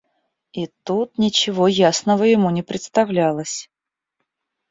И тут ничего ясного ему не представлялось.